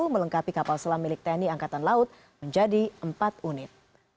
melengkapi kapal selam milik tni angkatan laut menjadi empat unit